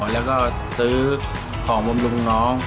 แล้วก็ซื้อของบำรุงน้อง